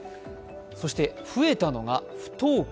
そして、増えたのが、不登校。